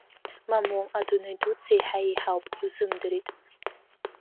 Мамоу, адунеи дуӡӡа еиҳа еиҳауп, иузымдырит!